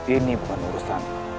ini bukan urusan